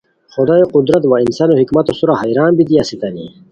خدایو قدرت وا ا نسانو حکمتو سورا حیران بیتی اسیتانی